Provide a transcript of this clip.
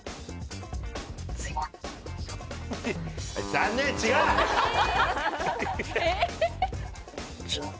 残念違う！